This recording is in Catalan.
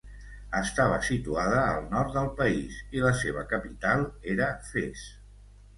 Estava situada al nord del país, i la seva capital era Fes.